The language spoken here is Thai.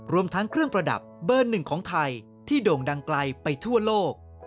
รวมทั้งเครื่องประดับเบอร์หนึ่งของไทยที่โด่งดังไกลไปทั่วโลก